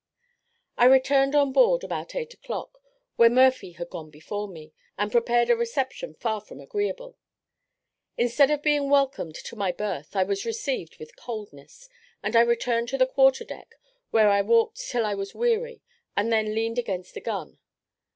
I returned on board about eight o'clock, where Murphy had gone before me, and prepared a reception far from agreeable. Instead of being welcomed to my berth, I was received with coldness, and I returned to the quarter deck, where I walked till I was weary, and then leaned against a gun.